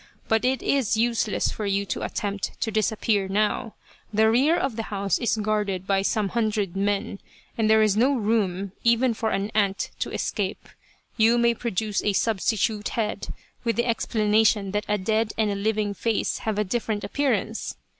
But it is useless for you to attempt to dis appear now, the rear of the house is guarded by some hundred men, and there is no room even .for an ant to escape. You may produce a substitute head, with the explanation that a dead and a living face have a different appearance.